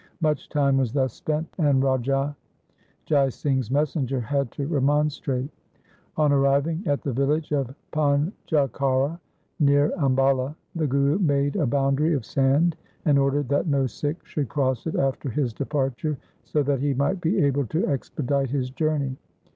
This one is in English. Much time was thus spent, and Raja Jai Singh's messenger had to remonstrate. On arriving at the village of Panj okhara near Ambala, the Guru made a boundary of sand and ordered that no Sikh should cross it after his departure, so that he might be able to expedite his journey.